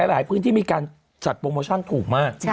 หลายพื้นที่มีการจัดโปรโมชั่นถูกมาก